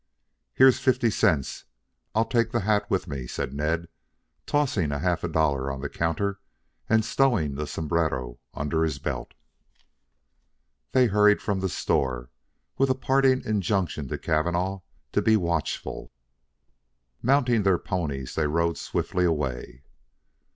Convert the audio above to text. "Here's fifty cents. I'll take the hat with me," said Ned, tossing a half dollar on the counter, and stowing the sombrero under his belt. They hurried from the store, with a parting injunction to Cavanagh to be watchful. Mounting their ponies they rode swiftly away.